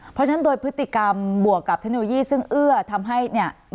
เพราะฉะนั้นโดยพฤติกรรมบวกกับเทคโนโลยีซึ่งเอื้อทำให้เนี่ย